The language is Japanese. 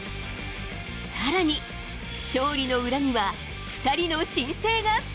さらに、勝利の裏には、２人の新星が。